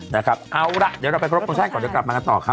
นะครับเอาล่ะเดี๋ยวเราไปครบทรงชาติก่อนเดี๋ยวกลับมากันต่อครับ